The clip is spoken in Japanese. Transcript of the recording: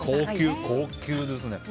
高級ですね。